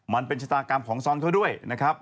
มันเป็นชะตากรรมของซอนเขาด้วยนะครับ